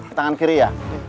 ini tangan kiri ya